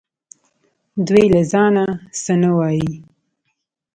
دوی له ځانه څه نه وايي